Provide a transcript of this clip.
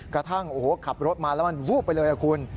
กระทั่งขับรถมาแล้วมันวู๊บไปเลยครับคุณ